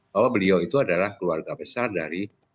bahwa beliau itu adalah keluarga besar dari